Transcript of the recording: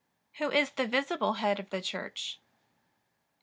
Who is the visible Head of the Church?